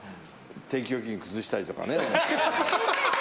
定期預金を崩したりとかね。